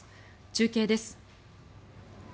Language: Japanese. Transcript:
中継です。